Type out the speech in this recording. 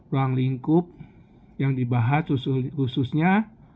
ruang lingkup yang dibahas khususnya